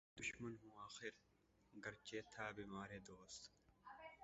کُشتۂ دشمن ہوں آخر، گرچہ تھا بیمارِ دوست